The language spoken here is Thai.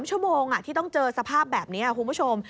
ชั่วโมงที่ต้องเจอสภาพแบบนี้คุณผู้ชม